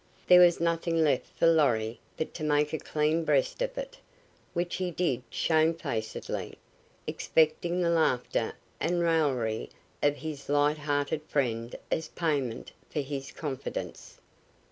There was nothing left for Lorry but to make a clean breast of it, which he did shamefacedly, expecting the laughter and raillery of his light hearted friend as payment for his confidence.